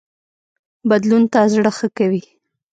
بدلون ته زړه ښه کوي